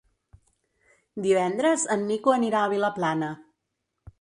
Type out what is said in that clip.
Divendres en Nico anirà a Vilaplana.